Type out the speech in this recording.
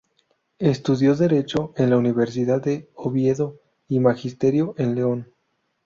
Estudió Derecho en la Universidad de Oviedo, y Magisterio en León.